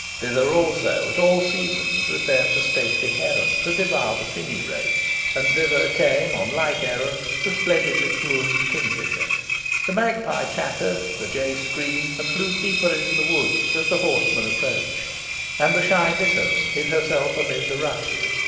Thither also, at all seasons, repaired the stately heron, to devour the finny race; and thither came, on like errand, the splendidly plumed kingfisher. The magpie chattered, the jay screamed and flew deeper into the woods as the horsemen approached, and the shy bittern hid herself amid the rushes.